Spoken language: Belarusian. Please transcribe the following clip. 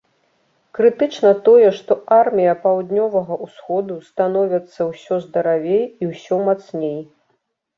Крытычна тое, што армія паўднёвага ўсходу становяцца ўсё здаравей і ўсё мацней.